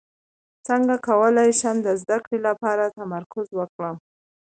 څنګه کولی شم د زده کړې لپاره تمرکز وکړم